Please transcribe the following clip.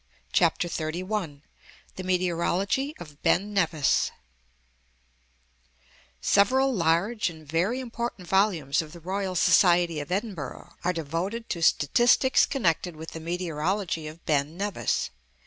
CHAPTER XXXI THE METEOROLOGY OF BEN NEVIS Several large and very important volumes of the Royal Society of Edinburgh are devoted to statistics connected with the meteorology of Ben Nevis.